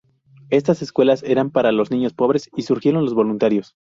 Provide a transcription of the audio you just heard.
Estas escuelas eran para los niños pobres y surgieron de los voluntarios.